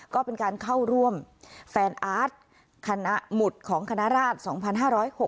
ก็เป็นการเข้าร่วมแฟนอาร์ตคณะหมุดของคณราช๒๕๖๖